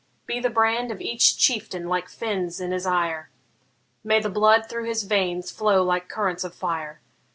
Be the brand of each chieftain like Fin's in his ire! May the blood through his veins flow like currents of fire!